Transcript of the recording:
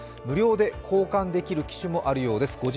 無料で交換できる機種もあるようです。